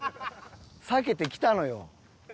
避けてきたのよ。